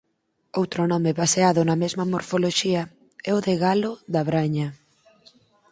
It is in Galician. Outro nome baseado na mesma morfoloxía é o de "galo da braña".